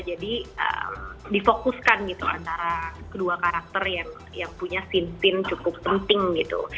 jadi difokuskan gitu antara kedua karakter yang punya scene scene cukup penting gitu